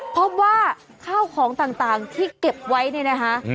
พบว่าข้าวของต่างที่เก็บไว้เนี่ยนะคะ